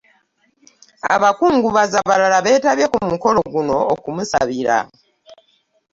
Abakungubazi abalala beetabye ku mukolo guno okumusabira